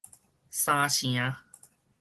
三城